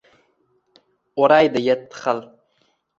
O’raydi yetti xil